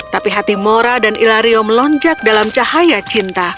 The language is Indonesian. tapi hati mora dan ilario melonjak dalam cahaya cinta